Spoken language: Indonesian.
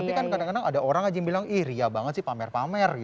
tapi kan kadang kadang ada orang aja yang bilang ih ria banget sih pamer pamer gitu